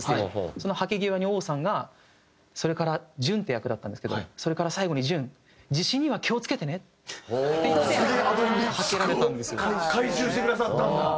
そのはけ際に旺さんが「それから」純って役だったんですけど「それから最後に純地震には気をつけてね！！」って言ってはけられたんですよ。回収してくださったんだ。